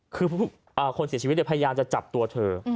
คือคนเสียชีวิตพยายามจะจับตัวเธอ